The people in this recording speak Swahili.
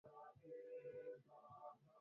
Baada ya kuwa wahasiriwa wa mauaji hayo